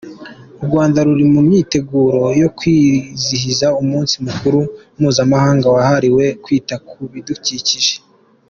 U Rwanda ruri mu myiteguro yo kwizihiza umunsi mukuru mpuzamahanga wahariwe kwita ku bidukikije.